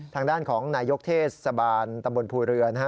ทางด้านของนายกเทศสะบาลตำบลภูริเวิญ